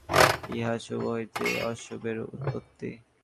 ইহা শুভ হইতে অশুভের উৎপত্তি।